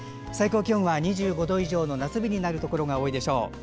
最高気温は２５度以上の夏日になるところが多いでしょう。